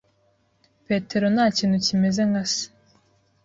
Petero ntakintu kimeze nka se.